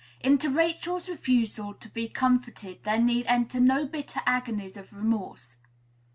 Into Rachel's refusal to be comforted there need enter no bitter agonies of remorse.